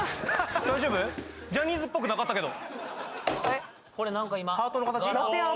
ジャニーズっぽくなかったけどえっ